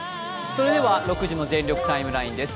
それでは６時の「全力ＴＩＭＥライン」です。